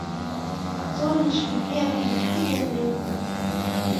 Сонечна, ветрана і бязлюдна.